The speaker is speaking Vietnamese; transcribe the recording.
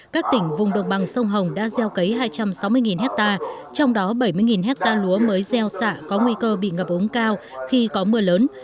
các tỉnh vùng độc bằng sông hồng đã gieo cấy hai trăm sáu mươi hectare trong đó bảy mươi hectare lúa mới gieo xạ có nguy cơ bị ngập ống cao khi có mưa lớn